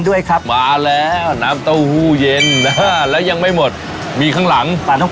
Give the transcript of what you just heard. บอกเลยว่าราคาไม่แพง